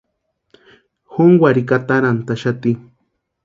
Jónkwarhikwa atarantʼaxati.